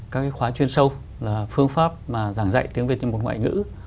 các cái khóa chuyên sâu là phương pháp mà giảng dạy tiếng việt như một ngoại ngữ